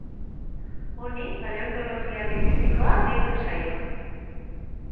Honi paleontologia linguistikoa deitzen zaio.